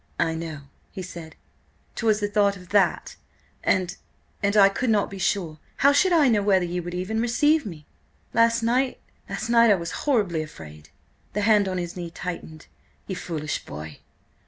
"I know," he said. "'Twas the thought of that—and–and–I could not be sure. How should I know whether you would even receive me? Last night—last night—I was horribly afraid. ..." The hand on his knee tightened. "Ye foolish boy!